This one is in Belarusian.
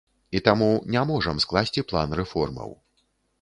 І таму не можам скласці план рэформаў.